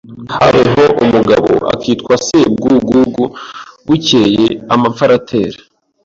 Habayeho umugabo akitwa Sebwugugu Bukeye amapfa aratera